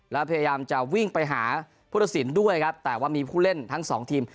แล้วพยายามจะวิ่งไปหาผู้ตัดสินด้วยครับแต่ว่ามีผู้เล่นทั้งสองทีม